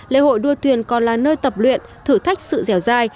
lễ hội đua thuyền còn là nơi tập luyện thử thách sự dẻo dai